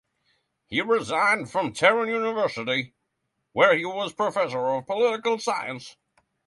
He resigned from Tehran University, where he was professor of political science.